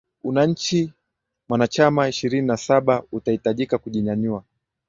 una nchi wanachama ishirini na saba utahitajika kujinyanyua